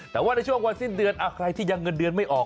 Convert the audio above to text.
แต่ว่าในช่วงวันสิ้นเดือนใครที่ยังเงินเดือนไม่ออก